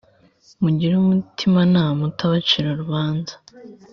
mugire umutimanama utabacira urubanza .